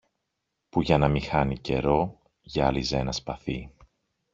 που για να μη χάνει καιρό γυάλιζε ένα σπαθί